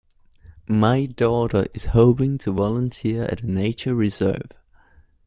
My daughter is hoping to volunteer at a nature reserve.